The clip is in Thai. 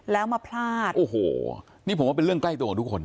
แล้วมาพลาดโอ้โหนี่ผมว่าเป็นเรื่องใกล้ตัวของทุกคน